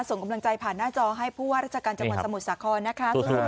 ส่งกำลังใจผ่านหน้าจอให้ผู้ว่าราชการจังหวัดสมุทรสาครนะคะ